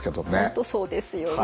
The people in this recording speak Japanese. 本当そうですよね。